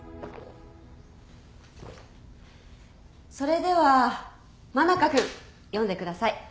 それでは真中君読んでください。